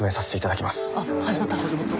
あっ始まった。